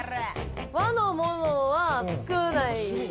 和のものは少ない。